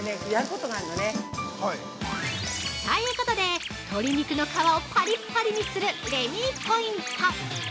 ◆ということで鶏肉の皮をパリパリにするレミーポイント。